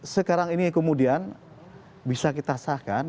sekarang ini kemudian bisa kita sahkan